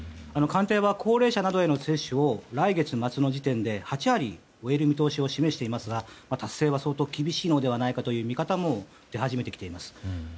官邸は高齢者などへの接種を来月末の時点で８割終える見通しを示していますが達成は相当厳しいのではないかという見方も出始めています。